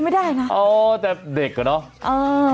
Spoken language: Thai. เออแต่เด็กก็เนาะ